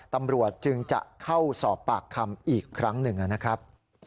ตำรวจจึงจะเข้าสอบปากคำอีกครั้งหนึ่งนะครับ